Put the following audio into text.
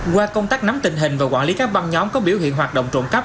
qua công tác nắm tình hình và quản lý các băng nhóm có biểu hiện hoạt động trộm cắp